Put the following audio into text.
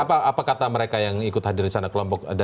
apa kata mereka yang ikut hadir di sana kelompok